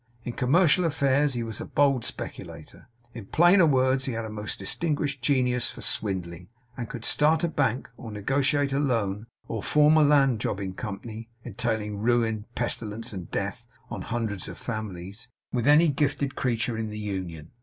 In commercial affairs he was a bold speculator. In plainer words he had a most distinguished genius for swindling, and could start a bank, or negotiate a loan, or form a land jobbing company (entailing ruin, pestilence, and death, on hundreds of families), with any gifted creature in the Union.